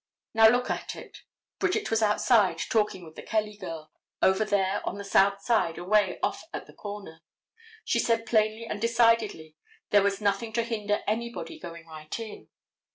Now, look at it. Bridget was outside talking with the Kelly girl, over there on the south side, away off at the corner. She said plainly and decidedly there was nothing to hinder anybody going right in.